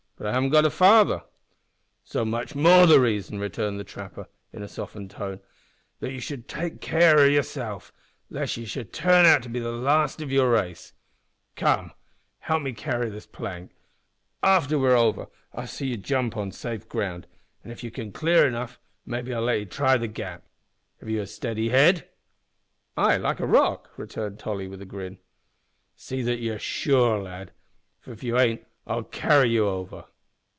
"But I haven't got a father." "So much the more reason," returned the trapper, in a softened tone, "that you should take care o' yourself, lest you should turn out to be the last o' your race. Come, help me to carry this plank. After we're over I'll see you jump on safe ground, and if you can clear enough, mayhap I'll let 'ee try the gap. Have you a steady head?" "Ay, like a rock," returned Tolly, with a grin. "See that you're sure, lad, for if you ain't I'll carry you over."